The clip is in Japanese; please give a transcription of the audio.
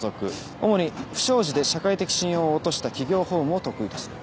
主に不祥事で社会的信用を落とした企業法務を得意とする。